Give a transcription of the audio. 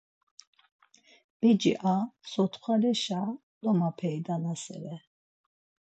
Beçi a sotxaleşe domapeydanasere.